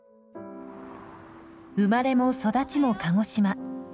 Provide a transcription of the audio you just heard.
生まれも育ちも鹿児島。